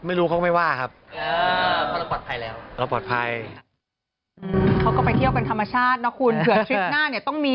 ไม่รู้เขาก็ไม่ว่าครับ